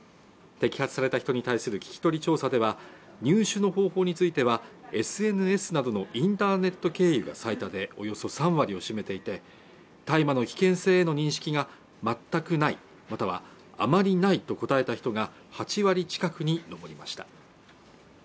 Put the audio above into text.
摘発された人に対する聞き取り調査では入手の方法についてはＳＮＳなどのインターネット経由が最多でおよそ３割を占めていて大麻の危険性の認識が全くないまたはあまりないと答えた人が８割近くに上りました